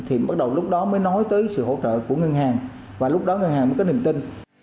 thì bắt đầu lúc đó mới nói tới sự hỗ trợ của ngân hàng và lúc đó ngân hàng mới có niềm tin